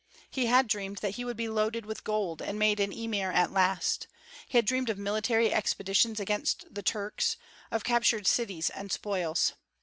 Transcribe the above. He had dreamed that he would be loaded with gold and made an emir at least; he had dreamed of military expeditions against the "Turks," of captured cities and spoils.